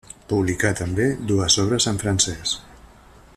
Publicà també dues obres en francès.